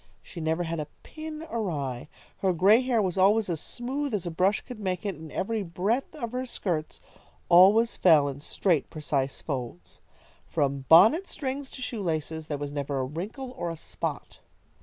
She never had a pin awry. Her gray hair was always as smooth as a brush could make it, and every breadth of her skirts always fell in straight, precise folds. From bonnet strings to shoe laces there was never a wrinkle or a spot.